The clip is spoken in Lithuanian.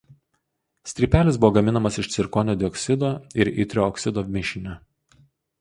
Strypelis buvo gaminamas iš cirkonio dioksido ir itrio oksido mišinio.